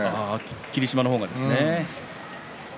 霧島の方がですね。